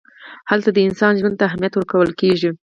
هلته د انسان ژوند ته اهمیت ورکول کېږي.